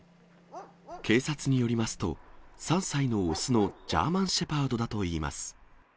警察によりますと、３歳の雄のジャーマン・シェパードだといいます。